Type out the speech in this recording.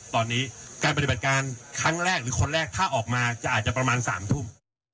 ตอนนี้การปฏิบัติการครั้งแรกหรือคนแรกถ้าออกมาจะอาจจะประมาณ๓ทุ่ม